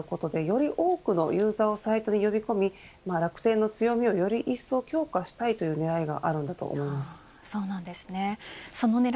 ここにモバイル事業が加わることでより多くのユーザーをサイトに呼び込み楽天の強みをより一層強化したいという狙いがあると思います。